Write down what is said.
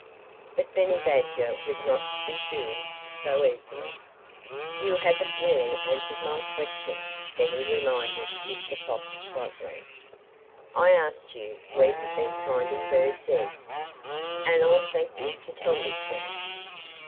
But Benny Badger was not to be fooled so easily. "You haven't really answered my question," Benny reminded Mr. Fox bluntly. "I asked you where you've been finding birds' eggs. And I'll thank you to tell me, sir."